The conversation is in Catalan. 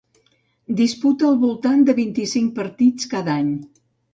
Disputa al voltant de vint-i-cinc partits cada any.